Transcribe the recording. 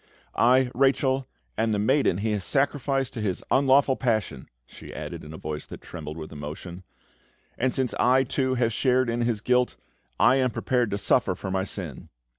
"I, Rachel, am the maiden he has sacrificed to his unlawful passion!" she added, in a voice that trembled with emotion. "And, since I, too, have shared in his guilt, I am prepared to suffer for my sin!"